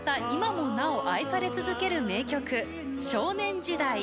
今もなお愛され続ける名曲『少年時代』。